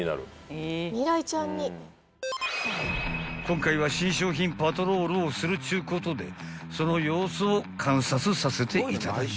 ［今回は新商品パトロールをするっちゅうことでその様子を観察させていただいた］